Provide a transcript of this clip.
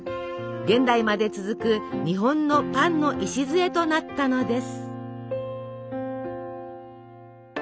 現代まで続く日本のパンの礎となったのです。